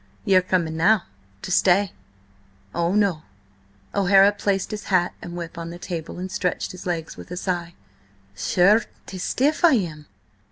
Ye are coming now–to stay." "Oh no!" O'Hara placed his hat and whip on the table, and stretched his legs with a sigh. "Sure, 'tis stiff I am!